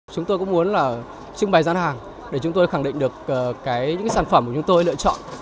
chúng tôi cũng muốn là trưng bày gian hàng để chúng tôi khẳng định được những sản phẩm của chúng tôi lựa chọn